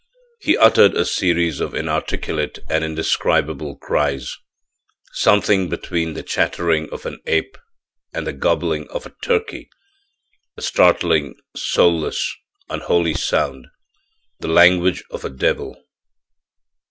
He uttered a series of inarticulate and indescribable cries something between the chattering of an ape and the gobbling of a turkey a startling, soulless, unholy sound, the language of a devil.